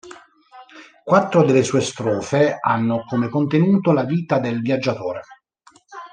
Quattro delle sue strofe hanno come contenuto la vita del viaggiatore.